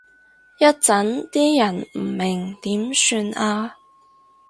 一陣啲人唔明點算啊？